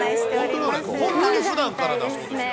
ふだんからだそうですよ。